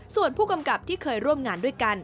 ส่วนผู้กำกับที่เคยร่วมงานด้วยกัน